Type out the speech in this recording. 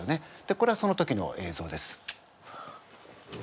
でこれはその時の映像です。